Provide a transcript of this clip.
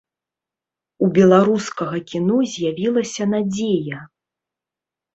У беларускага кіно з'явілася надзея.